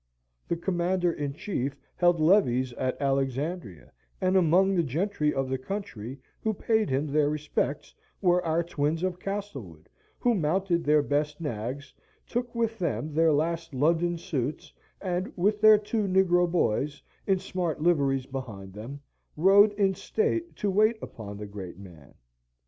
The Commander in Chief held levees at Alexandria, and among the gentry of the country, who paid him their respects, were our twins of Castlewood, who mounted their best nags, took with them their last London suits, and, with their two negro boys, in smart liveries behind them, rode in state to wait upon the great man.